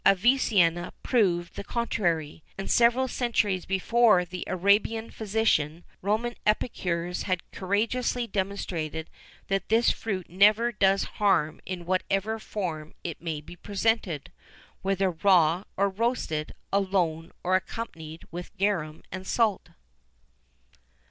[XIV 35] Avicenna proved the contrary;[XIV 36] and several centuries before the Arabian physician, Roman epicures had courageously demonstrated that this fruit never does harm in whatever form it may be presented, whether raw or roasted, alone or accompanied with garum and salt.